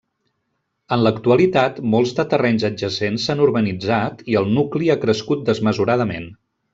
En l'actualitat, molts de terrenys adjacents s'han urbanitzat i el nucli ha crescut desmesuradament.